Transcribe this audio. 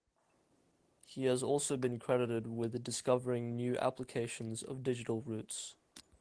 He has also been credited with discovering new applications of digital roots.